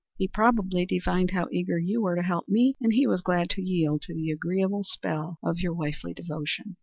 He probably divined how eager you were to help me, and he was glad to yield to the agreeable spell of your wifely devotion."